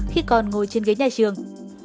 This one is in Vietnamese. khi con ngồi trên ghế nhà trường